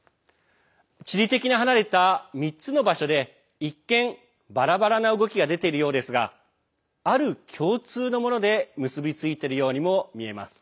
地理的に離れた３つの場所で一見バラバラな動きが出ているようですがある共通のもので結び付いているようにも見えます。